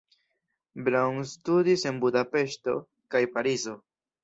Braun studis en Budapeŝto kaj Parizo.